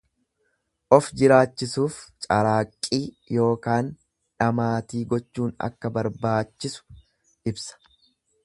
Of jiraachisuuf caraaqqii ykn dhamaatii gochuun akka barbaachisu ibsa.